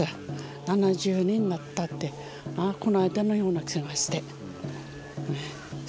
７０年なったってこの間のような気がして。